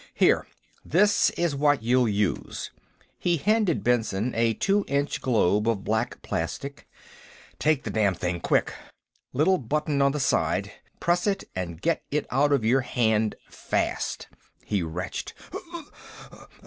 "Here. This is what you'll use." He handed Benson a two inch globe of black plastic. "Take the damn thing, quick! Little button on the side; press it, and get it out of your hand fast...." He retched.